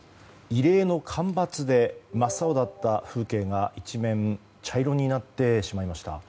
異例の干ばつで真っ青だった風景が一面茶色になってしまいました。